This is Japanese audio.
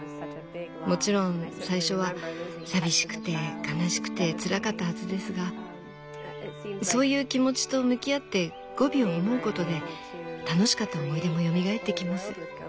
もちろん最初は寂しくて悲しくてつらかったはずですがそういう気持ちと向き合ってゴビを思うことで楽しかった思い出もよみがえってきます。